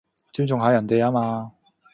尊重下人哋吖嘛